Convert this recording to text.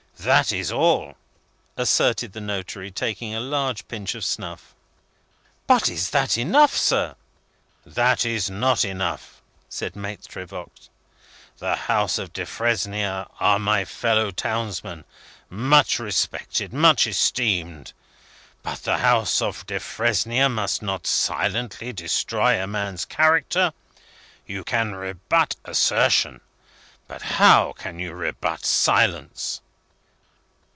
That is all," asserted the notary, taking a large pinch of snuff. "But is that enough, sir?" "That is not enough," said Maitre Voigt. "The House of Defresnier are my fellow townsmen much respected, much esteemed but the House of Defresnier must not silently destroy a man's character. You can rebut assertion. But how can you rebut silence?"